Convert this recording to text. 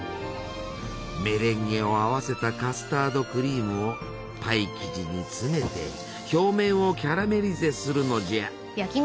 メレンゲを合わせたカスタードクリームをパイ生地に詰めて表面をキャラメリゼするのじゃ。